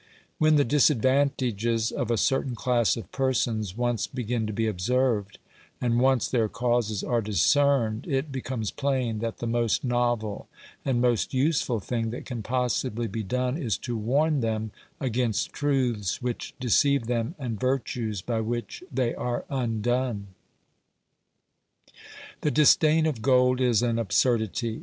When the disadvantages of a certain class of persons once begin to be observed, and once their causes are discerned, it becomes plain that the most novel and most useful thing that can possibly be done is to warn them against truths which deceive them and virtues by which they are undone. The disdain of gold is an absurdity.